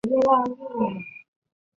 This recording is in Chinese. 无人能取代您的基督教王国！